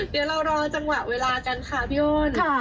เดี๋ยวเรารอจังหวะเวลากันค่ะพี่โอน